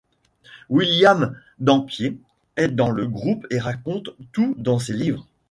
William Dampier est dans le groupe et raconte tout dans ses livres.